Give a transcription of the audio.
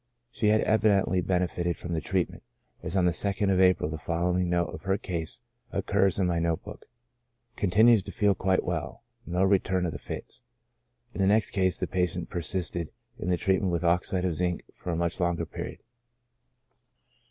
She had evident ly benefited from the treatment, as on the 2nd of April the following note of her case occurs in my note book : "Con tinues to feel quite well ; no return of the fits." In the next case the patient persisted in the treatment with oxide of zinc for a much longer period.